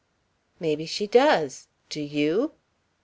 "Maybe she does. Do you?"